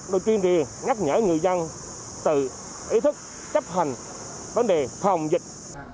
đều chuyên liền nhắc nhở người dân từ ý thức chấp hành vấn đề phòng dịch